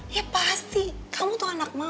ya pasti kamu tuh anak muda